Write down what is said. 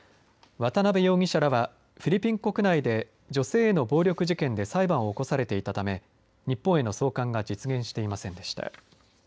渡邉容疑者らはフィリピン国内で女性への暴力事件で裁判を起こされていたため日本への送還が実現していませんでした。